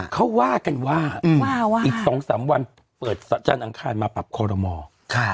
เขาว่ากันว่าอีก๒๓วันเปิดจันทร์อังคารมาปรับคอรมอล์